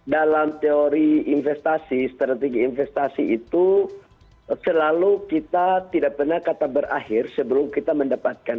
dalam teori investasi strategi investasi itu selalu kita tidak pernah kata berakhir sebelum kita mendapatkan